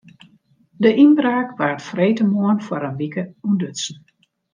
De ynbraak waard freedtemoarn foar in wike ûntdutsen.